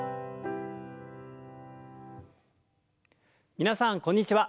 皆さんこんにちは。